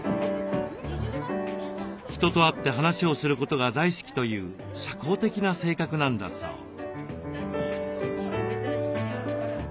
人と会って話をすることが大好きという社交的な性格なんだそう。